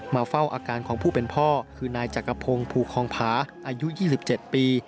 เฝ้าอาการของผู้เป็นพ่อคือนายจักรพงศ์ภูคองผาอายุ๒๗ปี